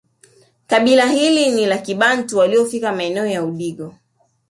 Kabila hili ni la kibantu waliofika maeneo ya Udigo